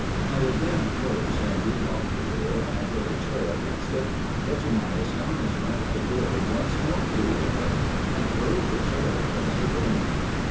I again closed and re locked the door, and put a chair against it, but to my astonishment the door once more flew open and hurled the chair across the room.